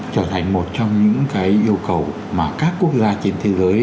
trở thành một trong những yêu cầu mà các quốc gia trên thế giới